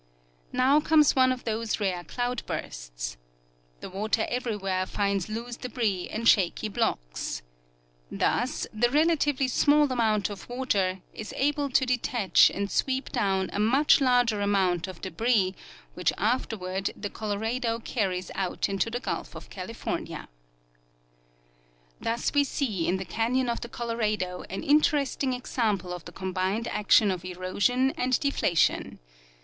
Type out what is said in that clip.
Now comes one of those rare cloud bursts. The water everywhere finds loose debris and shaky blocks. Thus the relatively small amount of water 176 Dr Johannes Walther — The North American Deserts. is able to detach and sweep down a much larger amount of debris which afterward the Colorado carries out into the gulf of California. Thus we see in the canyon of the Colorado an interesting ex ample of the combined action of erosion and deflation.